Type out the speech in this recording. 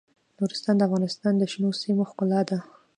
نورستان د افغانستان د شنو سیمو ښکلا ده.